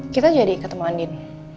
kita jadi ketemuan din